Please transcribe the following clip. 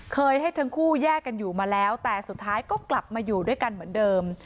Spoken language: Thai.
ให้ทั้งคู่แยกกันอยู่มาแล้วแต่สุดท้ายก็กลับมาอยู่ด้วยกันเหมือนเดิม